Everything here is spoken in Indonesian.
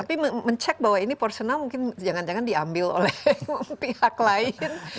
tapi mencek bahwa ini personal mungkin jangan jangan diambil oleh pihak lain